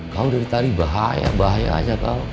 kau dari tari bahaya bahaya aja kau